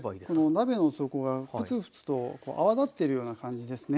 鍋の底がフツフツと泡立ってるような感じですね。